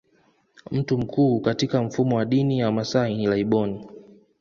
Mtu mkuu katika mfumo wa dini ya Wamasai ni laibon